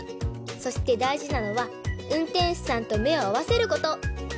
そしてだいじなのはうんてんしゅさんとめをあわせること！